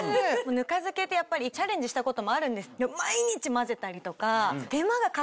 ぬか漬けってチャレンジしたこともあるんです。